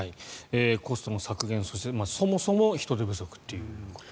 コストの削減そしてそもそも人手不足という。